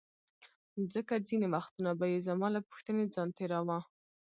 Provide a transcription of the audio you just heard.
ځکه ځیني وختونه به یې زما له پوښتنې ځان تیراوه.